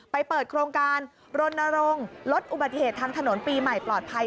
ไปเปิดโครงการรณรงค์ลดอุบัติเหตุทางถนนปีใหม่ปลอดภัย